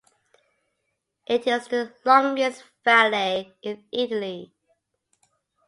It is the longest valley in Italy.